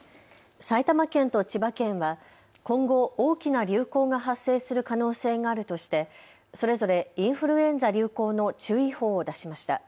埼玉県と千葉県は今後、大きな流行が発生する可能性があるとして、それぞれインフルエンザ流行の注意報を出しました。